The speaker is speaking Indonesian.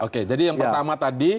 oke jadi yang pertama tadi